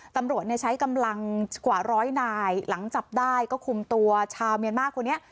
ตำรวจใช้กำลังกว่าร้อยนายหลังจับได้ก็คุมตัวชาวเมียนมาร์คนนี้